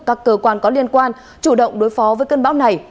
các cơ quan có liên quan chủ động đối phó với cơn bão này